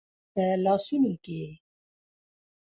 په لاسونو کې یې